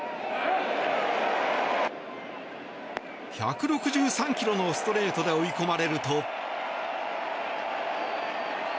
１６３キロのストレートで追い込まれると。